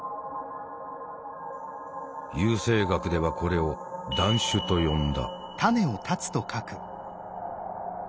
優生学ではこれを「断種」と呼んだ。